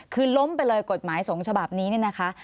คือล้มไปเลยกฎหมายสงฆ์ฉบับนี้เนี่ยนะคะ